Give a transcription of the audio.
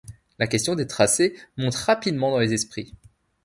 La question des tracés monte rapidement dans les esprits.